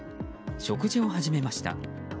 食事を始めました。